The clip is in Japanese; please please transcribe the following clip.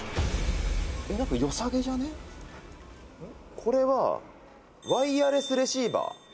「これはワイヤレスレシーバー」